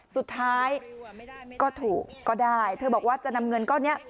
สุดท้ายก็ถูกก็ได้เธอบอกว่าจะนำเงินก้อนนี้